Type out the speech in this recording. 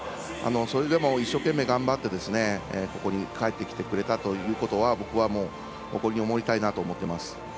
それでも、一生懸命頑張ってここに帰ってきてくれたということは僕は誇りに思いたいなと思っています。